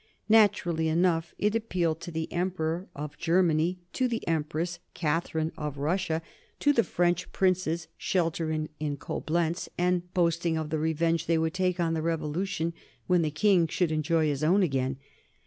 Naturally enough it appealed to the Emperor of Germany, to the Empress Catherine of Russia, to the French princes sheltering in Coblentz and boasting of the revenge they would take on the Revolution when the King should enjoy his own again.